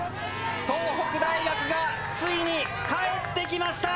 東北大学がついに帰ってきました！